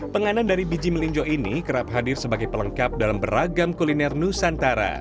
penganan dari biji melinjo ini kerap hadir sebagai pelengkap dalam beragam kuliner nusantara